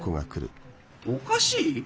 おかしい？